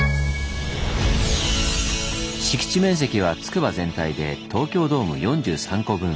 敷地面積はつくば全体で東京ドーム４３個分。